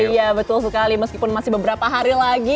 iya betul sekali meskipun masih beberapa hari lagi